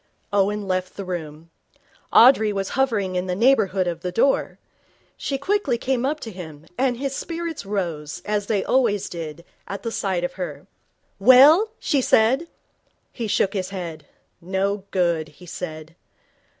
Owen left the room. Audrey was hovering in the neighbourhood of the door. She came quickly up to him, and his spirits rose, as they always did, at the sight of her. 'Well?' she said. He shook his head. 'No good,' he said.